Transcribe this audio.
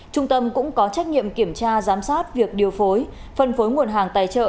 trung tâm cũng có trách nhiệm kiểm tra giám sát việc điều phối phân phối nguồn hàng tài trợ